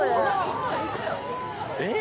えっ？